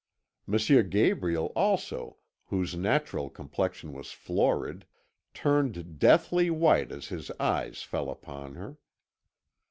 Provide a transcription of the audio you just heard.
M. Gabriel, also, whose natural complexion was florid, turned deathly white as his eyes fell upon her.